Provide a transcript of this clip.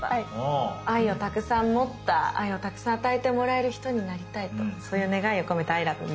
愛をたくさん持った愛をたくさん与えてもらえる人になりたいとそういう願いを込めた「Ｉｌｏｖｅｍｅ」。